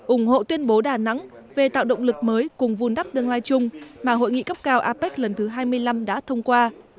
ủng hộ tuyên bố đà nẵng về tạo động lực mới cùng vun đắp tương lai chung mà hội nghị cấp cao apec lần thứ hai mươi năm đã thông qua